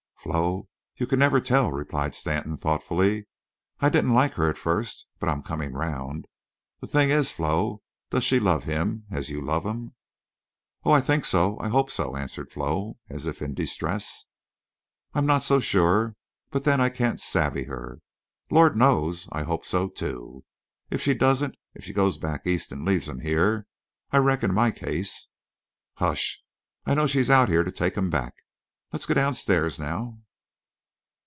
"Flo, you can never tell," replied Stanton, thoughtfully. "I didn't like her at first. But I'm comin' round. The thing is, Flo, does she love him as you love him?" "Oh, I think so—I hope so," answered Flo, as if in distress. "I'm not so shore. But then I can't savvy her. Lord knows I hope so, too. If she doesn't—if she goes back East an' leaves him here—I reckon my case—" "Hush! I know she's out here to take him back. Let's go downstairs now."